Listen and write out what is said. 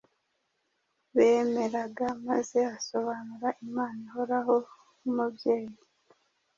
bemeraga maze asobanura Imana ihoraho nk’Umubyeyi,